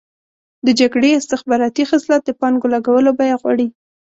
د جګړې استخباراتي خصلت د پانګو لګولو بیه غواړي.